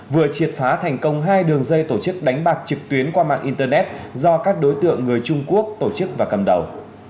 vừa triệt phá thành công hai đường dây tổ chức đánh bạc trực tuyến qua mạng internet do các đối tượng người trung quốc tổ chức và cầm đầu